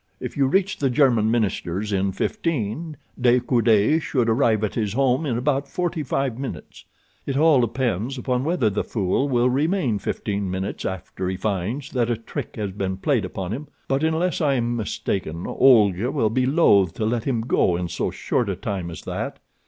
If you reach the German minister's in fifteen, De Coude should arrive at his home in about forty five minutes. It all depends upon whether the fool will remain fifteen minutes after he finds that a trick has been played upon him; but unless I am mistaken Olga will be loath to let him go in so short a time as that.